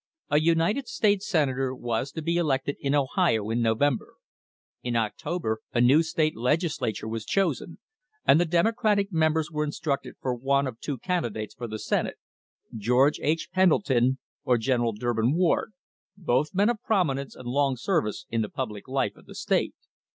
A United States Senator was to be elected in Ohio in November. In October a new State Legislature was chosen, and the Democratic members were instructed for one of two candidates for the Senate, George H. Pendleton or General Durbin Ward, both men of prominence and long service in the public life of the state.